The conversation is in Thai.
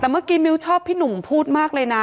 แต่เมื่อกี้มิ้วชอบพี่หนุ่มพูดมากเลยนะ